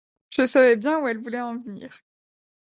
je savais bien où elle voulait en venir.